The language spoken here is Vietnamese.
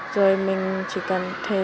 rồi mình chỉ cần thầy